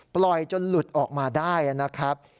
ปล่อยจนหลุดออกมาได้นะครับ